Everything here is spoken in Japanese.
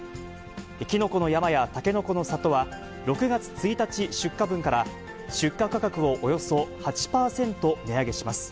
きのこの山やたけのこの里は、６月１日出荷分から出荷価格をおよそ８％値上げします。